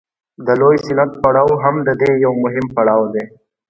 د لوی صنعت پړاو هم د دې یو مهم پړاو دی